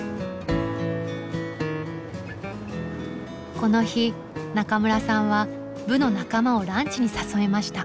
この日中村さんは部の仲間をランチに誘いました。